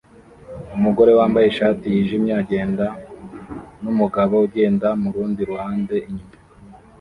Umugore wambaye ishati yijimye agenda numugabo ugenda murundi ruhande inyuma